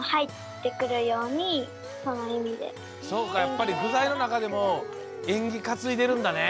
そうかやっぱりぐざいのなかでもえんぎかついでるんだね。